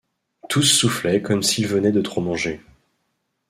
Tous soufflaient comme s’ils venaient de trop manger.